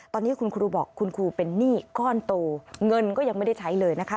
ตอนนี้คุณครูบอกคุณครูเป็นหนี้ก้อนโตเงินก็ยังไม่ได้ใช้เลยนะคะ